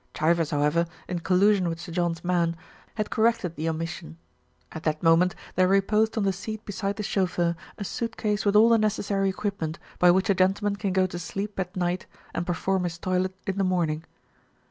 Chivers, however, in collusion with Sir John's man, had corrected the omission. At that moment there reposed on the seat beside the chauffeur a suit case with all the necessary equipment by which a gentleman can go to sleep at night and perform his toilet in the morning.